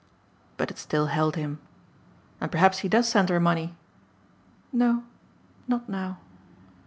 But it still held him. "And perhaps he does send her money." "No. Not now."